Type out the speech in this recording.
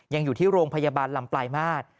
ยังอยู่ที่โรงพยาบาลลำปลายมาตร